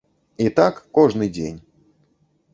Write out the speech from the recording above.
І так кожны дзень.